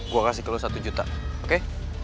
gua kasih ke lu satu juta oke